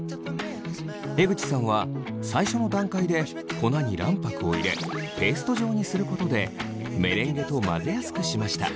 江口さんは最初の段階で粉に卵白を入れペースト状にすることでメレンゲと混ぜやすくしました。